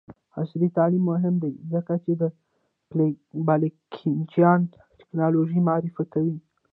عصري تعلیم مهم دی ځکه چې د بلاکچین ټیکنالوژي معرفي کوي.